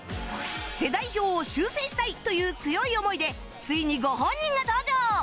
世代表を修正したいという強い思いでついにご本人が登場！